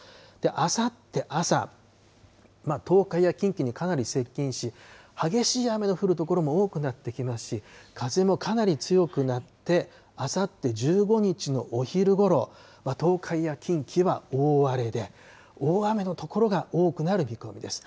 あさって朝、東海や近畿にかなり接近し、激しい雨の降る所も多くなってきますし、風もかなり強くなって、あさって１５日のお昼ごろ、東海や近畿は大荒れで、大雨の所が多くなる見込みです。